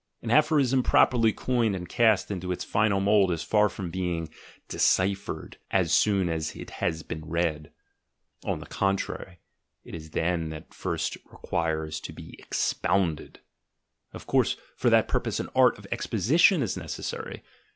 An aphorism properly coined and cast into its final mould is far from being "deciphered" as soon as it has been read; on the contrary, it is then that it first requires to be expounded — of course for that purpose an art of exposition is necessary.